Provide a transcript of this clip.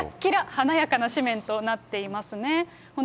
華やかな誌面となってますね。